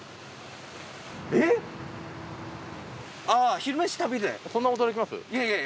あぁ「昼めし旅」で。